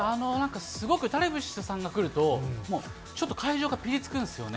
すごくダルビッシュさんが来ると、ちょっと会場がぴりつくんですよね。